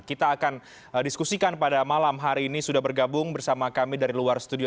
kita akan diskusikan pada malam hari ini sudah bergabung bersama kami dari luar studio